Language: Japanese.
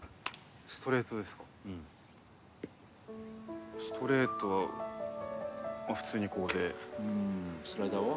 ストレートですかうんストレートはまあ普通にこうでうんスライダーは？